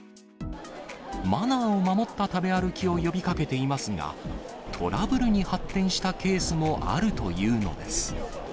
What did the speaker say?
マナーを守った食べ歩きを呼びかけていますが、トラブルに発展したケースもあるというのです。